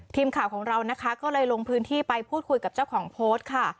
ทีมข่าวของเรานะคะก็เลยลงพื้นที่ไปพูดคุยกับเจ้าของโพสต์ค่ะ